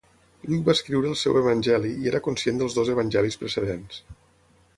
Lluc va escriure el seu evangeli i era conscient dels dos evangelis precedents.